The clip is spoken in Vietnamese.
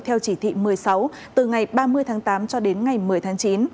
theo chỉ thị một mươi sáu từ ngày ba mươi tháng tám cho đến ngày một mươi tháng chín